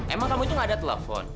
emang kamu itu gak ada telepon